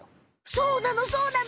そうなのそうなの。